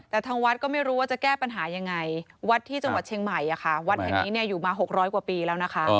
แต่ทางวัดก็ไม่รู้ว่าจะแก้ปัญหายังไงวัดที่จังหวัดเชียงใหม่วัดแห่งนี้อยู่มา๖๐๐กว่าปีแล้วนะคะ